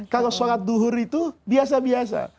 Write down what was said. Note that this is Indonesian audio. kalau sholat duhur itu biasa biasa